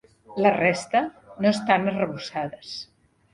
La resta no estan arrebossades.